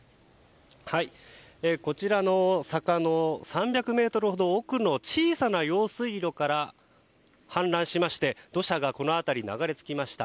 こちらの坂の３００ｍほど奥の小さな用水路から氾濫しまして土砂がこの辺りに流れてきました。